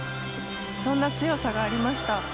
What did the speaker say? そんな強さがありました。